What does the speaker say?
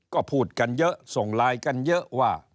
ก็พูดกันเยอะส่งไลน์กันเยอะว่า